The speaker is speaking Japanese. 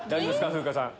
風花さん。